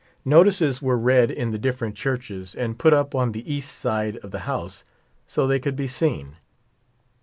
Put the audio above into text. Notices were read in the different churches and put up on the east side of the house so they could be seen.